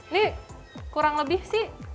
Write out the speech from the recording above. ini kurang lebih sih